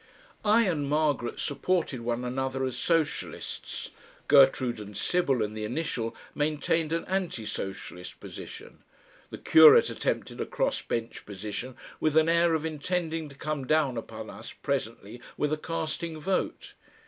I and Margaret supported one another as socialists, Gertrude and Sybil and the initial maintained an anti socialist position, the curate attempted a cross bench position with an air of intending to come down upon us presently with a casting vote.